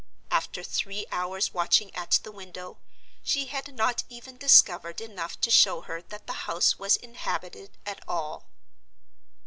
After three hours' watching at the window, she had not even discovered enough to show her that the house was inhabited at all.